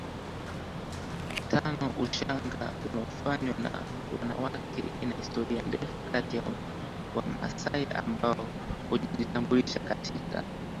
tanoUshanga unaofanywa na wanawake ina historia ndefu kati ya Wamasai ambao hujitambulisha katika